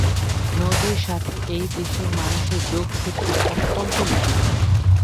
নদীর সাথে এই দেশের মানুষের যোগসূত্র অত্যন্ত নিবিড়।